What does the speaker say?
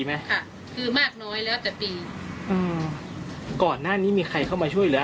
แต่วันนี้ย้ายออกแล้วไม่อยู่แล้ว